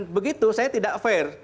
begitu saya tidak fair